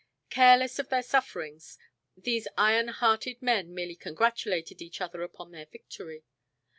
Careless of their sufferings, these iron hearted men merely congratulated each other upon their victory.